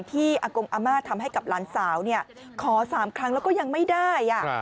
อากงอาม่าทำให้กับหลานสาวขอ๓ครั้งแล้วก็ยังไม่ได้